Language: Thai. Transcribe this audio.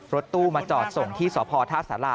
รถตู้มาจอดส่งที่สพท่าสารา